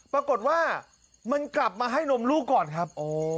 ปรากฏว่ามันกลับมาให้นมลูกก่อนครับ